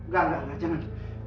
gak gak gak jangan